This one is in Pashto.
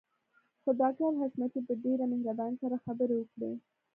خو ډاکټر حشمتي په ډېره مهربانۍ سره خبرې وکړې.